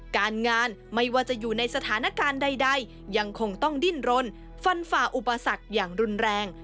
การงานไม่ว่าจะอยู่ในสถานการณ์ใดยังคงต้องดิ้นรนฟันฝ่าอุปสรรคอย่างรุนแรง